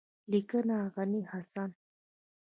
لیکنه: غني حسن